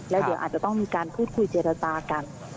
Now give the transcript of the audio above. แล้วเดี๋ยวอาจจะต้องมีการพูดคุยเจรจากัน